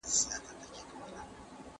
دا سفر زما د ژوند د کتاب یوه نوې خاطره وه.